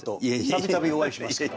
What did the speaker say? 度々お会いしますけど。